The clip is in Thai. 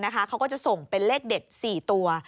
เขาก็จะส่งเป็นเลขเด็ด๔ตัว